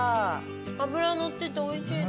脂のってておいしいです。